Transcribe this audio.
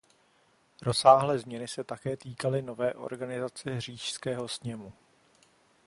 Rozsáhlé změny se také týkaly nové organizace říšského sněmu.